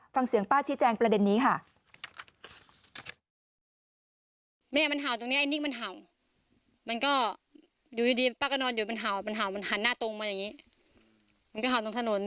ฟังเสียงป้าชี้แจงประเด็นนี้ค่ะ